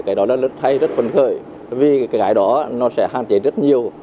cái đó là lực thay rất phấn khởi vì cái đó nó sẽ hạn chế rất nhiều